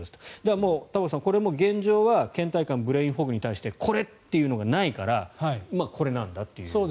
もう玉川さん、これも現状はけん怠感ブレインフォグに対してこれというのがないからこれなんだという。